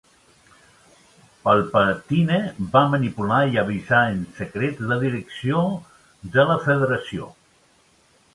Palpatine va manipular i avisar en secret la direcció de la Federació.